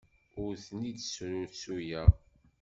Ur ten-id-srusuyeɣ.